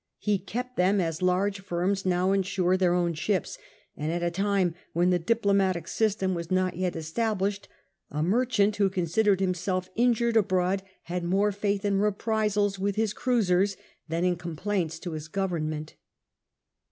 He kept them, a^ large firms now insure their own ships ; and at a time when the diplomatic system was not yet established, a merchant who considered himself injured abroad had more faith in reprisals with his cruisers than in complaints to his Goyemment.